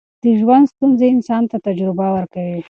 د ژوند ستونزې انسان ته تجربه ورکوي.